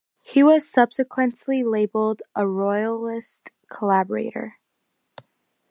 He was subsequently labeled a Royalist collaborator.